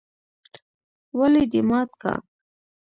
ولې دي مات که؟؟